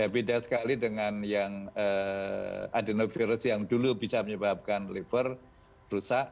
beda sekali dengan yang adenovirus yang dulu bisa menyebabkan liver rusak